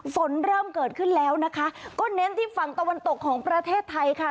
ฝนเริ่มเกิดขึ้นแล้วนะคะก็เน้นที่ฝั่งตะวันตกของประเทศไทยค่ะ